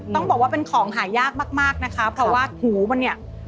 ต้องบอกว่าเป็นของหายากมากนะคะเพราะว่าหูมันเนี่ย